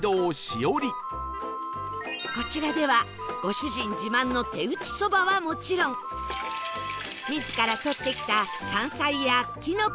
こちらではご主人自慢の手打ち蕎麦はもちろん自ら採ってきた山菜やキノコの天ぷら